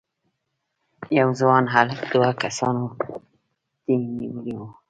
یو ځوان هلک دوه کسانو ټینک نیولی و.